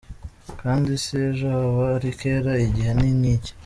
Kandi si ejo, haba ari kera, igihe ni iki ngiki!